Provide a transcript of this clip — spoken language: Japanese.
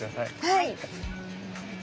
はい！